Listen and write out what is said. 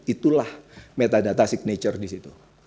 itulah metadata signature di situ